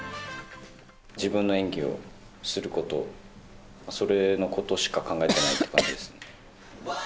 自分の演技をすること、それのことしか考えてない感じですね。